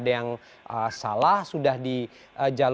saya ingin mencetak pelajar pancasila